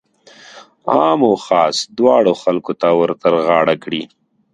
عام او خاص دواړو خلکو ته ورترغاړه کړي.